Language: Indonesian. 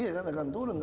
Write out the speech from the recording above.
iya kan akan turun